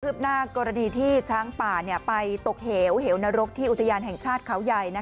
หน้ากรณีที่ช้างป่าไปตกเหวเหวนรกที่อุทยานแห่งชาติเขาใหญ่